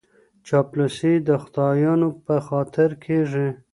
چاپلوسي د خدایانو په خاطر کیږي.